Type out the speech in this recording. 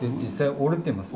折れてますね。